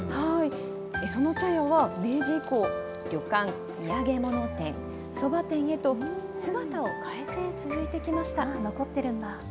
その茶屋は、明治以降、旅館、土産物店、そば店へと姿を変えて続いてきました。